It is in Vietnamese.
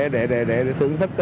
để thưởng thức